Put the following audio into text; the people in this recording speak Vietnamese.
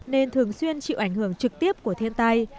nên thường xuyên chịu ảnh hưởng trực tiếp của thiên tai